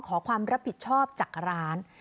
ขอความรับผิดชอบจากร้าน